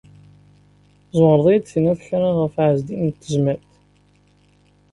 Tzemreḍ ad iyi-d-tiniḍ kra ɣef Ɛezdin n Tezmalt?